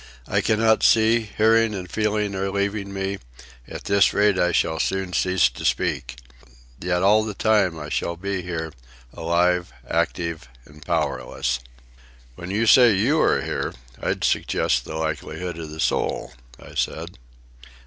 I cannot see, hearing and feeling are leaving me, at this rate I shall soon cease to speak; yet all the time I shall be here, alive, active, and powerless." "When you say you are here, I'd suggest the likelihood of the soul," I said.